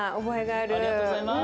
ありがとうございます。